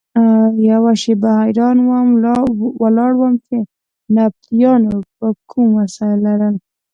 یوه شېبه حیران ولاړ وم چې نبطیانو به کوم وسایل لرل.